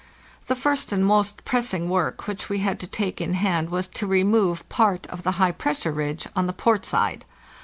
The first and most pressing work which we had to take in hand was to remove part of the high pressure ridge on the port side.